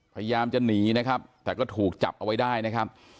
พยายามจะหนีนะครับแต่ก็ถูกจับเอาไว้ได้นะครับ